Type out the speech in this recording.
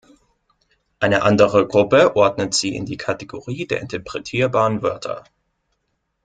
Eine andere Gruppe ordnet sie in die Kategorie der interpretierbaren Wörter.